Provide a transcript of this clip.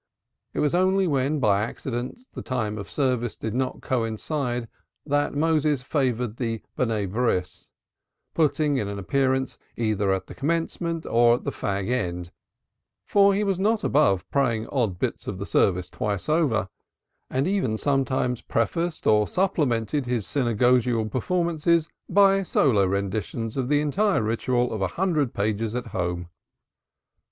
It was only when by accident the times of service did not coincide that Moses favored the "Sons of the Covenant," putting in an appearance either at the commencement or the fag end, for he was not above praying odd bits of the service twice over, and even sometimes prefaced or supplemented his synagogal performances by solo renditions of the entire ritual of a hundred pages at home.